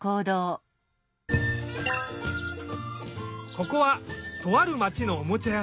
ここはとあるまちのおもちゃやさん。